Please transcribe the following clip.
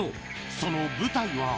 その舞台は。